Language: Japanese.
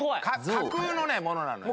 架空のねものなのよ。